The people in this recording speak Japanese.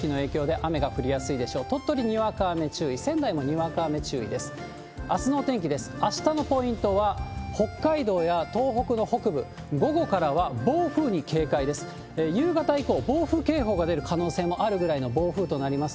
あしたのポイントは、北海道や東北の北部、午後からは暴風に警戒です。